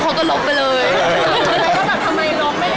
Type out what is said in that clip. ทำไมรอบไม่ได้เก็บไว้